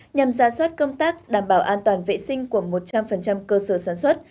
nhằm ra soát công tác đảm bảo an toàn vệ sinh của một trăm linh cơ sở sản xuất